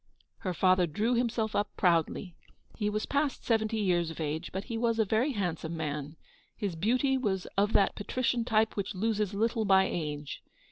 *' Her father drew himself up proudly. He was past seventy years of age, but he was a very handsome man. His beauty was of that patrician type which loses little by age.